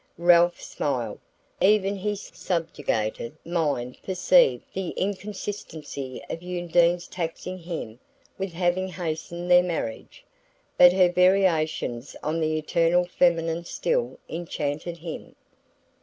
Ralph smiled. Even his subjugated mind perceived the inconsistency of Undine's taxing him with having hastened their marriage; but her variations on the eternal feminine still enchanted him.